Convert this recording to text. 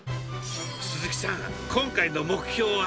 すずきさん、今回の目標は？